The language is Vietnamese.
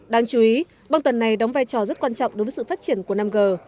đáng chú ý băng tần này đóng vai trò rất quan trọng đối với sự phát triển của năm g